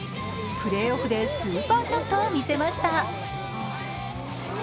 プレーオフでスーパーショットを見せました。